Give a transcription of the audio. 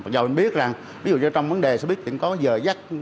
do mình biết rằng ví dụ trong vấn đề xe buýt thì cũng có giờ giấc